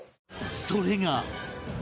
それが